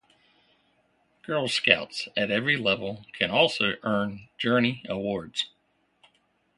Girl Scouts at every level can also earn Journey Awards.